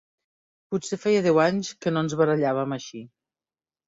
Potser feia deu anys que no ens barallàvem així.